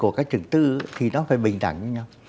của các trường tư thì nó phải bình đẳng với nhau